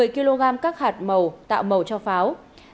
một mươi kg các hạt màu tạo màu cho pháo